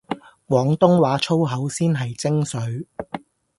廣東話粗口先係精粹